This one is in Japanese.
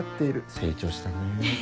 成長したねぇ。